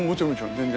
全然。